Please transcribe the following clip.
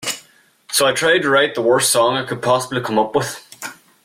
So I tried to write the worst song I could possibly come up with.